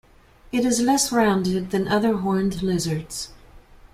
It is less rounded than other horned lizards.